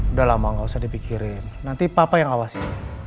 udah lama gak usah dipikirin nanti papa yang awasin